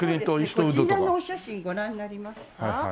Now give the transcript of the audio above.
そうですねこちらのお写真ご覧になりますか？